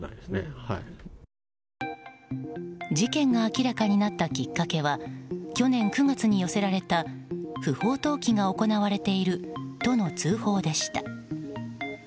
事件が明らかになったきっかけは去年９月に寄せられた不法投棄が行われているとの通報でした。